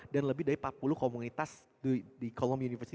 dan lebih dari empat puluh komunitas di kolom universitas